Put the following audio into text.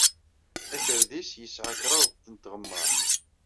Akerdis yesɛa kraḍet n tɣemmar.